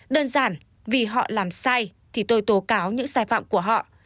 đơn giản vì họ làm sai thì tôi tố cáo những sai phạm của họ